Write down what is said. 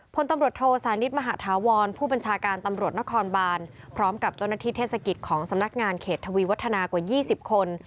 พลตำรวจโทสานิทมหาธาวรผู้บัญชาการตำรวจนครบานพร้อมกับเจ้าหน้าที่เทศกิจของสำนักงานเขตทวีวัฒนากว่า๒๐คน